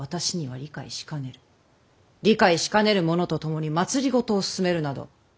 理解しかねる者と共に政を進めるなど私にはできかねる。